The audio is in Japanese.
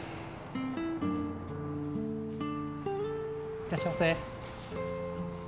いらっしゃいませ。